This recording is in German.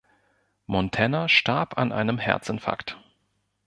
Montana starb an einem Herzinfarkt.